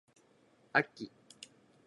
あき